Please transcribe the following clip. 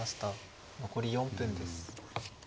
残り４分です。